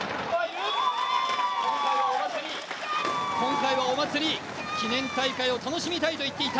今回はお祭り、記念大会を楽しみたいと言っていた。